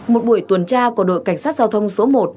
một buổi tuần tra của đội cảnh sát giao thông số một